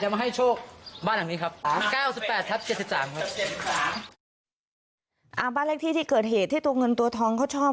บ้านเลขที่ที่เกิดเหตุที่ตัวเงินตัวทองเขาชอบ